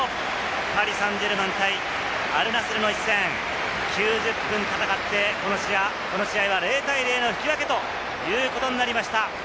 パリ・サンジェルマン対アルナスルの一戦、９０分戦ってこの試合は０対０の引き分けということになりました。